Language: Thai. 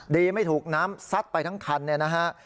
ไม่ถูกน้ำซัดไปทั้งคันเนี่ยนะฮะ